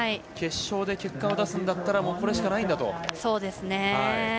決勝で結果を出すんだったらこれしかないんだと。